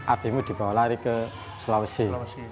apimu dibawa lari ke sulawesi